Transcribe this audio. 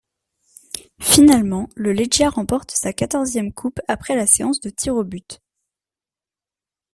Finalement, le Legia remporte sa quatorzième coupe après la séance de tirs au but.